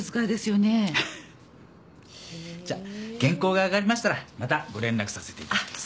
じゃ原稿が上がりましたらまたご連絡させていただきます。